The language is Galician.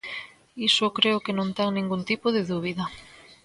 Iso creo que non ten ningún tipo de dúbida.